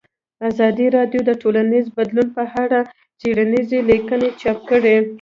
ازادي راډیو د ټولنیز بدلون په اړه څېړنیزې لیکنې چاپ کړي.